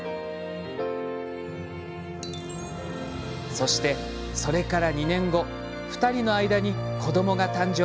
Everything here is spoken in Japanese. そして、それから２年後２人の間に子どもが誕生。